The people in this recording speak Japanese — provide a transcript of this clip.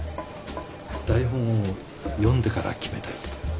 台本を読んでから決めたいと。